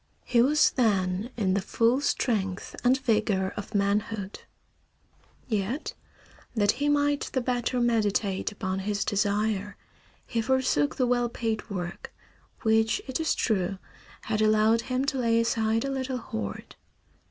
He was then in the full strength and vigor of manhood. Yet, that he might the better meditate upon his desire he forsook the well paid work, which, it is true, had allowed him to lay aside a little hoard.